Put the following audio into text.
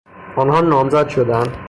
آنها نامزد شدهاند.